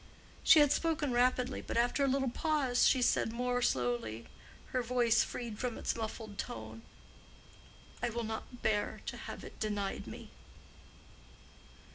She had spoken rapidly, but after a little pause she said more slowly, her voice freed from its muffled tone: "I will not bear to have it denied me."